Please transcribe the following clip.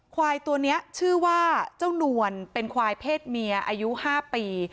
ควายตัวนี้ชื่อว่าเจ้านวลเป็นควายเพศเมียอายุ๕ปี